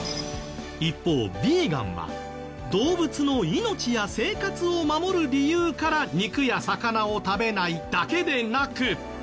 一方ヴィーガンは動物の命や生活を守る理由から肉や魚を食べないだけでなく。